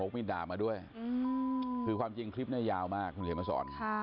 มีดดาบมาด้วยคือความจริงคลิปนี้ยาวมากคุณเขียนมาสอน